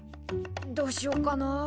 どうしよっかな。